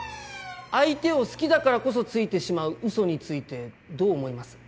相手を好きだからこそついてしまうウソについてどう思います？